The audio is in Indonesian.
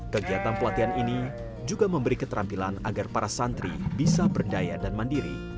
kegiatan pelatihan ini juga memberi keterampilan agar para santri bisa berdaya dan mandiri